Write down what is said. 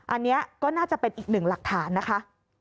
อันนี้ก็น่าจะเป็นอีกหนึ่งหลักฐานนะคะ